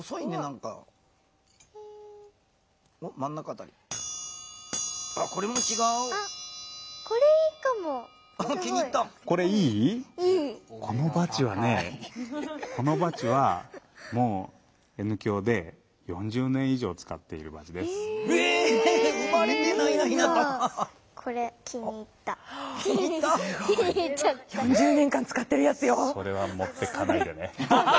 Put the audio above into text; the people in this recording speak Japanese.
それはもっていかないでね。